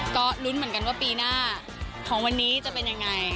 ก็ลุ้นเหมือนกันว่าปีหน้าของวันนี้จะเป็นยังไง